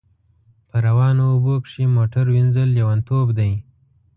په روانو اوبو کښی موټر وینځل لیونتوب دی